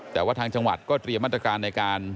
แต่ว่าทางจังหวัดก็เตรียมมาตรการในการ